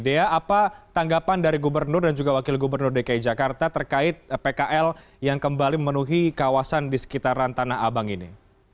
dea apa tanggapan dari gubernur dan juga wakil gubernur dki jakarta terkait pkl yang kembali memenuhi kawasan di sekitaran tanah abang ini